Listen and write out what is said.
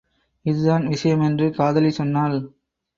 இதுதான் விஷயம் என்று காதலி சொன்னாள்.